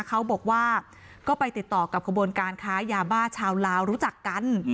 เขาบอกว่าก็ไปติดต่อกับขบวนการค้ายาบ้าชาวลาวรู้จักกัน